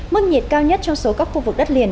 mức nhiệt cao nhất trong số các khu vực đất liền